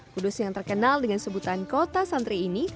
kudus yang terkenal dengan sebutan kota santri ini